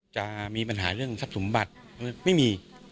จะมีปัญหาเรื่องทรัพย์สมบัติไม่มี